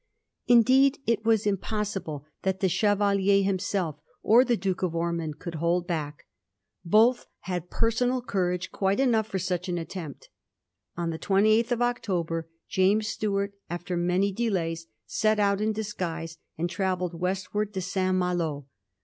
Indeed, it was impossible that the Chevalier himself or the Duke of Ormond could hold back. Both had personal courage quite enough for such an attempt. On the 28th of October . James Stuart, after many delays, set out in disguise, and travelled westward to St. Malo.